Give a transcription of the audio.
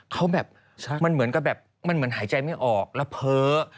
เขาแบบมันเหมือนกับแบบมันเหมือนหายใจไม่ออกแล้วเพ้อ